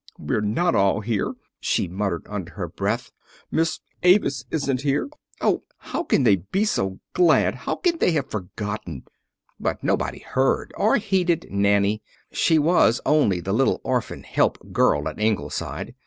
"We're not all here," she murmured under her breath. "Miss Avis isn't here. Oh, how can they be so glad? How can they have forgotten?" But nobody heard or heeded Nanny she was only the little orphan "help" girl at Ingleside.